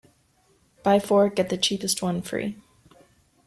Buy four, get the cheapest one free.